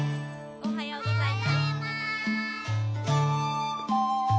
おはようございます。